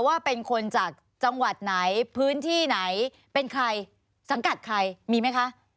ว่าเป็นคนจากจังหวัดไหนพื้นที่ไหนเป็นใครสังกัดใครมีไหมคะ